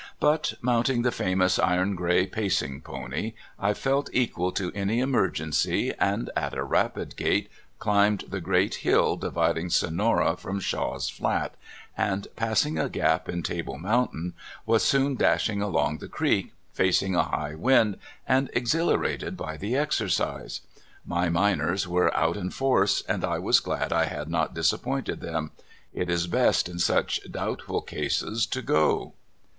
But, mounting the famous iron gray pacing pony, I felt equal to any emergency, and at a "rapid gait cUmbed the great hill dividing Sonora from Shaw's Flat, and passing a gap in Table Mountain, was soon dashing along the creek, facing a high wind, and exhilarated by the exercise. My miners were out in force, and I was glad I had not disappointed them. It is best in such doubtful cases to go.